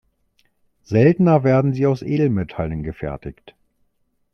Seltener werden sie aus Edelmetallen gefertigt.